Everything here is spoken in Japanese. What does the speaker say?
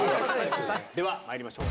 ではまいりましょう。